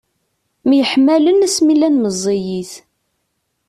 Myeḥmmalen asmi llan meẓẓiyit.